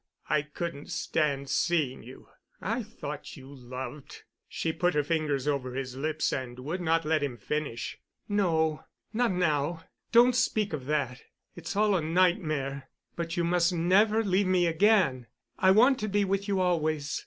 "I couldn't stand seeing you. I thought you loved——" She put her fingers over his lips and would not let him finish. "No—not now——don't speak of that, it's all a nightmare. But you must never leave me again. I want to be with you always.